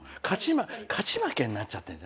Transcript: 勝ち負けになっちゃってんじゃない？